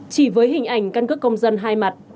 chỉ với hình ảnh căn cước công dân hai mặt